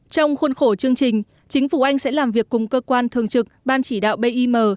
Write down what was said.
trong khuôn khổ chương trình chính phủ anh sẽ làm việc cùng cơ quan thường trực ban chỉ đạo bim